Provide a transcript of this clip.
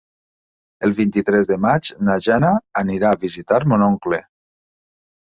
El vint-i-tres de maig na Jana anirà a visitar mon oncle.